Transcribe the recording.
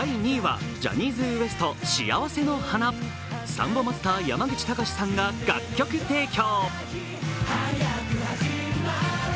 サンボマスター・山口隆さんが楽曲提供。